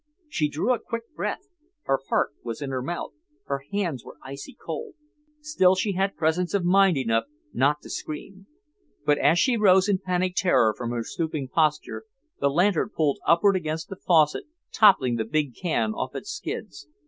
She drew a quick breath, her heart was in her mouth, her hands were icy cold. Still she had presence of mind enough not to scream. But as she rose in panic terror from her stooping posture, the lantern pulled upward against the faucet, toppling the big can off its skids.